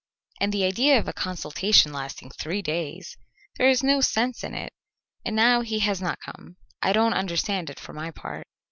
And the idea of a consultation lasting three days! There is no sense in it, and now he has not come. I don't understand it, for my part."